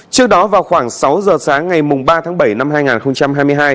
trước đó vào khoảng sáu giờ sáng ngày ba tháng bảy năm hai nghìn hai mươi hai